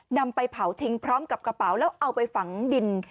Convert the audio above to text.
นำไปเผาทิ้งพร้อมกับกระเป๋าแล้วเอาไปฝังดิน